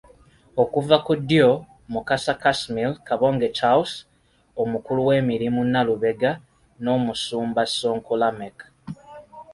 Okuva ku ddyo, Mukasa Casmir, Kabonge Charles, Omukulu w'emirimu Nalubega ne Omusumba Ssonko Lameck.